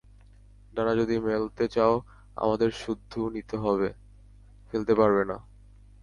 ডানা যদি মেলতে চাও আমাদের সুদ্ধু নিতে হবে, ফেলতে পারবে না।